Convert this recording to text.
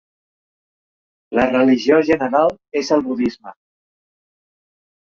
La religió general és el budisme.